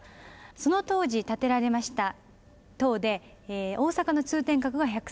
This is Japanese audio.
その当時建てられました塔で大阪の通天閣が１０３ｍ。